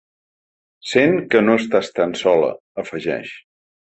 Sent que no estàs tan sola, afegeix.